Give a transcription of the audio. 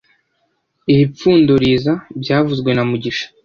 Iri pfundo riza byavuzwe na mugisha